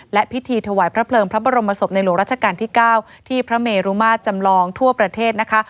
และพิธีถวายพระเพลิงพระบรมศพในหลวงราชการที่๙ที่พระเมรุมาตรจำลองทั่วประเทศนะคะ